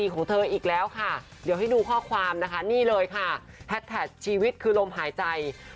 ของเธออีกแล้วค่ะเดี๋ยวให้ดูข้อความนะคะนี่เลยค่ะแฮดแท็กชีวิตคือลมหายใจ